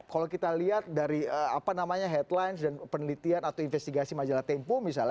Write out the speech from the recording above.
kalau kita lihat dari headlines dan penelitian atau investigasi majalah tempu misalnya